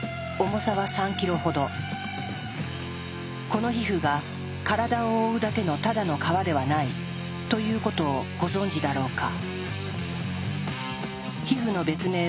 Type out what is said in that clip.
この皮膚が「体を覆うだけのただの皮ではない」ということをご存じだろうか。